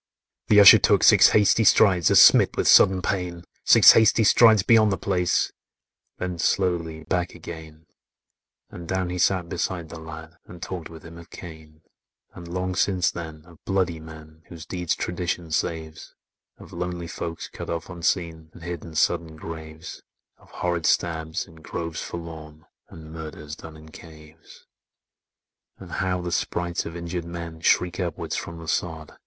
'" The Usher took six hasty strides, As smit with sudden pain,— Six hasty strides beyond the place, Then slowly back again; And down he sat beside the lad, And talked with him of Cain; And, long since then, of bloody men, Whose deeds tradition saves; Of lonely folks cut off unseen, And hid in sudden graves; Of horrid stabs, in groves forlorn, And murders done in caves; And how the sprites of injured men Shriek upward from the sod.